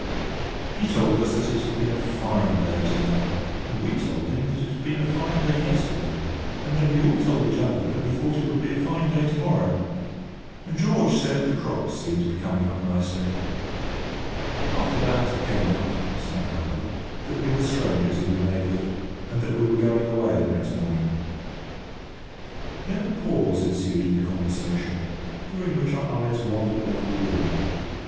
He told us that it had been a fine day to day, and we told him that it had been a fine day yesterday, and then we all told each other that we thought it would be a fine day to morrow; and George said the crops seemed to be coming up nicely. After that it came out, somehow or other, that we were strangers in the neighbourhood, and that we were going away the next morning. [Picture: The trout] Then a pause ensued in the conversation, during which our eyes wandered round the room.